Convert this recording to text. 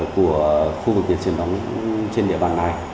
các doanh nghiệp nằm trên địa bàn